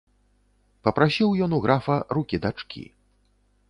Папрасіў ён у графа рукі дачкі.